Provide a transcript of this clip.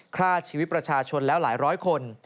ฆ่าชีวิตประชาชนแล้วหลายร้อยคน